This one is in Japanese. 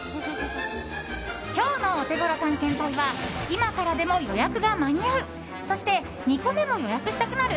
今日のオテゴロ探検隊は今からでも予約が間に合うそして２個目も予約したくなる？